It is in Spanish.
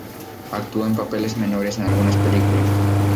Actuó en papeles menores en algunas películas.